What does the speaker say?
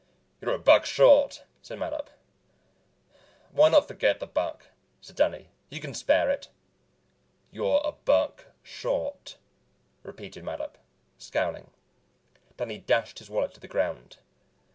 "You're a buck short," said Mattup. "Why not forget the buck?" said Danny. "You can spare it." "You're a buck short," repeated Mattup, scowling. Danny dashed his wallet to the ground.